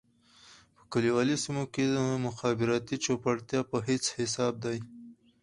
په کليوالي سېمو کې مخابراتي چوپړتياوې په هيڅ حساب دي.